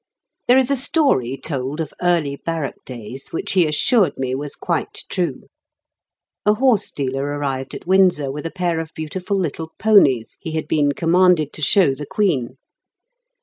There is a story told of early barrack days which he assured me was quite true. A horsedealer arrived at Windsor with a pair of beautiful little ponies he had been commanded to show the Queen.